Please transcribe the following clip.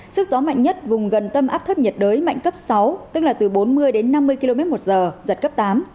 sức gió mạnh nhất vùng gần tâm áp thấp nhiệt đới mạnh cấp sáu tức là từ bốn mươi đến năm mươi km một giờ giật cấp tám